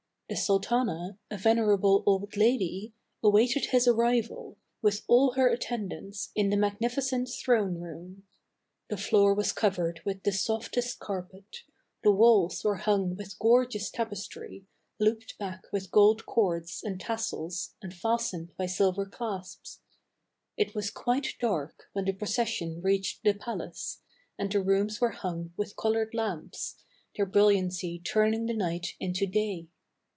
The sultana, a venerable old lady, awaited his arrival, with all her attendants, in the magnifi cent throne room. The floor was covered with the softest carpet, the walls were hung with gorgeous tapestry, looped back with gold cords and tassels and fastened by silver clasps. It was quite dark when the procession reached the palace, and the rooms were hung with colored lamps, their brilliancy turning the night into day.